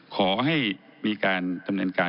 ขอให้มีการดำเนินการ